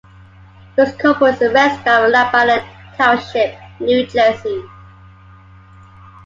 Piscopo is a resident of Lebanon Township, New Jersey.